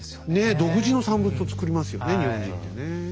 独自の産物をつくりますよね日本人ってね。